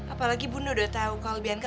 apalagi bunda udah tau kalau bianca